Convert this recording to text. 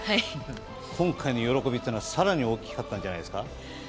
今回の喜びは更に大きかったんじゃないですか？